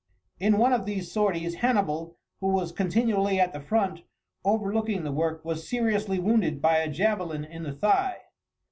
In one of these sorties Hannibal, who was continually at the front, overlooking the work, was seriously wounded by a javelin in the thigh.